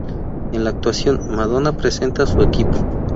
En la actuación, Madonna presenta a su equipo.